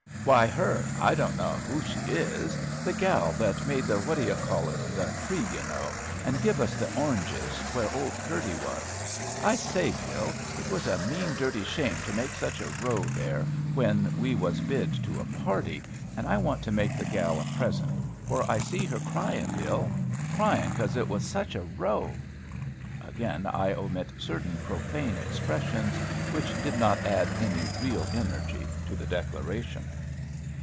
"Why, her, I don't know who she is. The gal that made the what do ye call it, the tree, you know, and give us the oranges, where old Purdy was. I say, Bill, it was a mean dirty shame to make such a row there, when we was bid to a party; and I want to make the gal a present, for I see her crying, Bill. Crying cos it was such a row." Again, I omit certain profane expressions which did not add any real energy to the declaration.